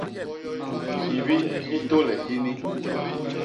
Hyibi hi tôle hini!